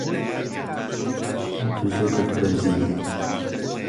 تۆ زۆر لووتبەرزی.